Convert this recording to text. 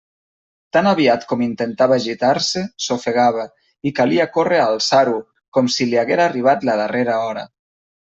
Tan aviat com intentava gitar-se s'ofegava, i calia córrer a alçar-ho, com si li haguera arribat la darrera hora.